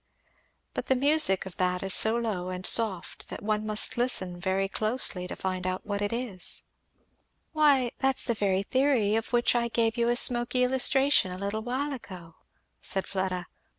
But the music of that is so low and soft that one must listen very closely to find out what it is." "Why that is the very theory of which I gave you a smoky illustration a little while ago," said Fleda.